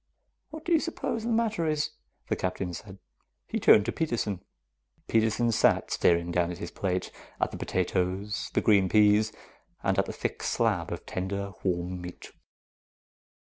"What do you suppose the matter is?" the Captain said. He turned to Peterson. Peterson sat staring down at his plate, at the potatoes, the green peas, and at the thick slab of tender, warm meat.